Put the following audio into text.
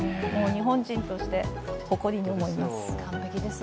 日本人として誇りに思います。